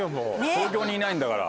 東京にいないんだから。